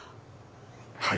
はい。